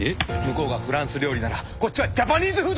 向こうがフランス料理ならこっちはジャパニーズフードだ！